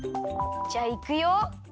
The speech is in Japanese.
じゃあいくよ。